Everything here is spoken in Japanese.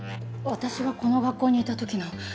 私がこの学校にいた時の先輩で。